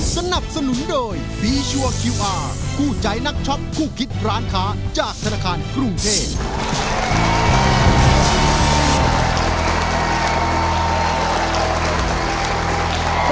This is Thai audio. สนับสนุนโดยฟีชัวร์คิวอาร์คู่ใจนักช็อปคู่คิดร้านค้าจากธนาคารกรุงเทพ